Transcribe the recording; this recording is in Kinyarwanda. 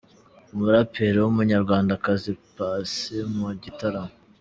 Umuraperi w’umunyarwandakazi paci mu gitaramo